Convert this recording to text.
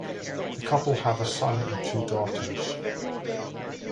The couple have a son and two daughters.